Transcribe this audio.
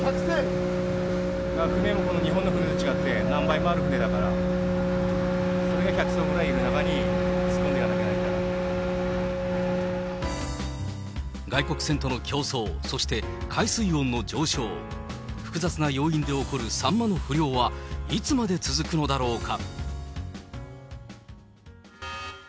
船も日本の船と違って、何倍もある船だから、それが１００そうぐらいいる中に、突っ込んでいかないといけないか外国船との競争、そして海水温の上昇、複雑な要因で起こるサンマの不漁は、いつまで続くのだろうか。